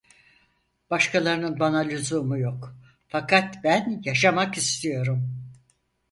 Başkalarının bana lüzumu yok, fakat ben yaşamak istiyorum…